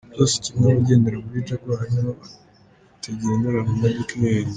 Byose kimwe.abagendera muri Jaguar nibo batagendera mu modoka ihenze?